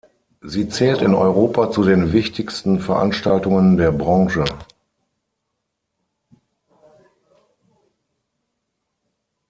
Sie zählt in Europa zu den wichtigsten Veranstaltungen der Branche.